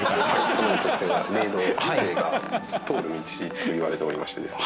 この直線が霊道霊が通る道といわれておりましてですね。